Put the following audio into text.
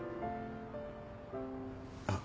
あっ。